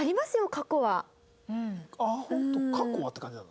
「過去は」って感じなの？